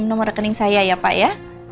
saya kirim nomor rekening saya ya pak ya